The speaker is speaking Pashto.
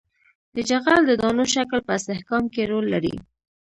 د جغل د دانو شکل په استحکام کې رول لري